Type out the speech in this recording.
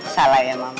salah ya mama